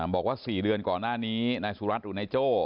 บอกว่า๔เดือนก่อนหน้านี้นายสุรัตน์หรือนายโจ้